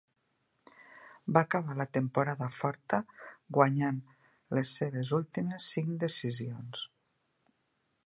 Va acabar la temporada forta, guanyant les seves últimes cinc decisions.